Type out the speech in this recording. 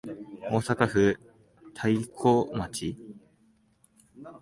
大阪府太子町